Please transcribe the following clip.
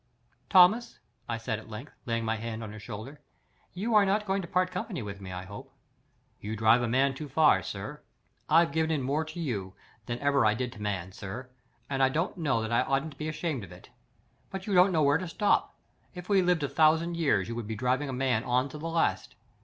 "Thomas," I said, at length, laying my hand on his shoulder, "you are not going to part company with me, I hope?" "You drive a man too far, sir. I've given in more to you than ever I did to man, sir; and I don't know that I oughtn't to be ashamed of it. But you don't know where to stop. If we lived a thousand years you would be driving a man on to the last.